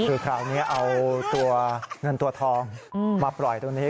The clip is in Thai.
คือคราวนี้เอาตัวเงินตัวทองมาปล่อยตรงนี้